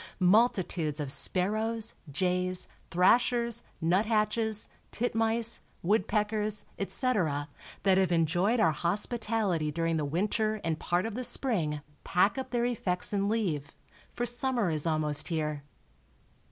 Multitudes of sparrows, jays, thrashers, nuthatches, titmice, woodpeckers, etc., that have enjoyed our hospitality during the winter and part of the spring pack up their effects and leave, for summer is almost here.